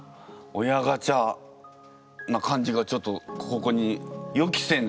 「親ガチャ」な感じがちょっとここに予期せぬ。